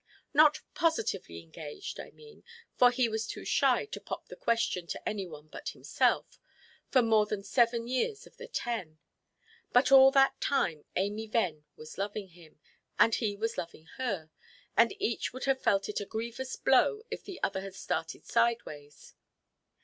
Not positively engaged, I mean, for he was too shy to pop the question to any one but himself, for more than seven years of the ten. But all that time Amy Venn was loving him, and he was loving her, and each would have felt it a grievous blow, if the other had started sideways.